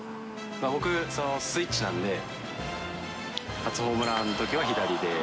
僕、スイッチなんで、初ホームランのときは左で。